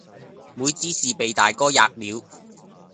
妹子是被大哥喫了，